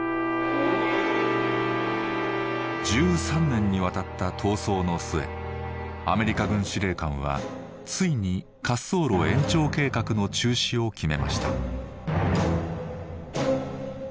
１３年にわたった闘争の末アメリカ軍司令官はついに滑走路延長計画の中止を決めました。